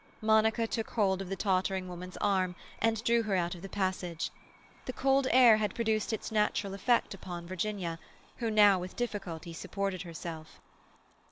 Monica took hold of the tottering woman's arm and drew her out of the passage. The cold air had produced its natural effect upon Virginia, who now with difficulty supported herself.